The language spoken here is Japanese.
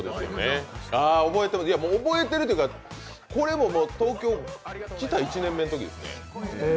覚えています、覚えているというか、これも東京に来た１年目のときですね。